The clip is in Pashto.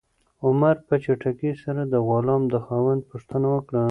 عمر په چټکۍ سره د غلام د خاوند پوښتنه وکړه.